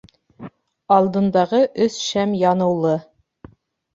Алдындағы өс шәм яныулы.